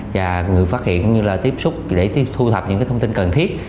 và người phát hiện cũng như là tiếp xúc để thu thập những thông tin cần thiết